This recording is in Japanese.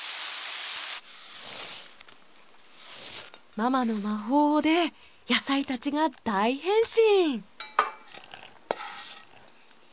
ママの魔法で野菜たちが大変身。